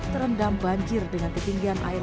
terendam banjir dengan ketinggian air